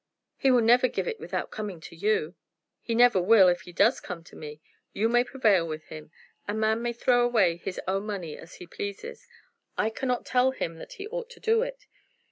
"He will never give it without coming to you." "He never will if he does come to me. You may prevail with him. A man may throw away his own money as he pleases. I cannot tell him that he ought to do it.